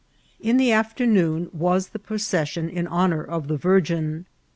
In the afternoon was the procession in honour of the Virgin.